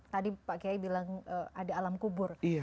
tadi pak kiai bilang ada alam kubur